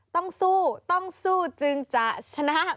ต้องสู้ต้องสู้จึงจะชนะ